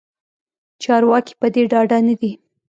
چارواکې پدې ډاډه ندي